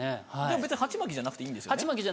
別に鉢巻きじゃなくていいんですよね。